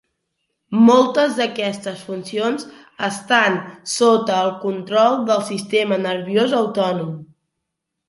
Moltes d'aquestes funcions estan sota el control del sistema nerviós autònom.